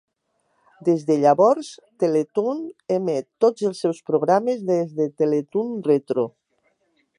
Des de llavors, Teletoon emet tots els seus programes des de Teletoon Retro.